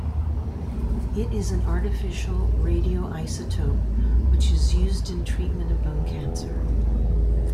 It is an artificial radioisotope which is used in treatment of bone cancer.